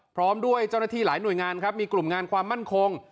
พร้อมด้วยเจ้าหน้าที่หลายหน่วยงานครับมีกลุ่มงานความมั่นคง